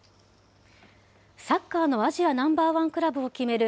サッカーのアジアナンバーワンクラブを決める